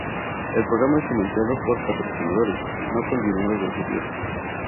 El programa es financiado por patrocinadores, no con dinero del Gobierno.